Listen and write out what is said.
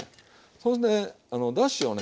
それでだしをね